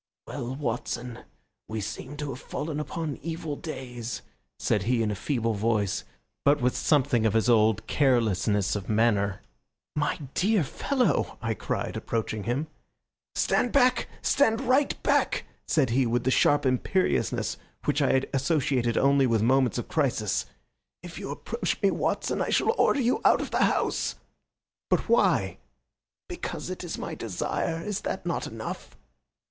"Well, Watson, we seem to have fallen upon evil days," said he in a feeble voice, but with something of his old carelessness of manner. "My dear fellow!" I cried, approaching him. "Stand back! Stand right back!" said he with the sharp imperiousness which I had associated only with moments of crisis. "If you approach me, Watson, I shall order you out of the house." "But why?" "Because it is my desire. Is that not enough?"